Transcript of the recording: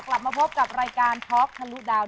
กลับมาพบกับรายการท็อกทะลุดาว